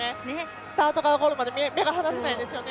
スタートからゴールまで目が離せないですね。